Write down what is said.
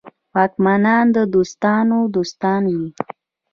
واکمنان د دوستانو دوستان وي.